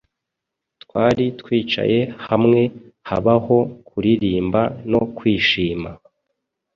Twari twicaye hamwe Habaho kuririmba no kwishima